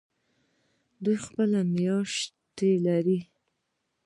دوی خپلې میاشتې لري.